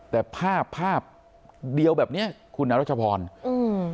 แต่ภาพภาพเดียวแบบเนี้ยคุณอรัชพรอืม